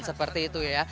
seperti itu ya